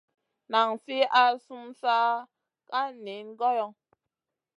Nan fi al sumun sa ka niyn goyo.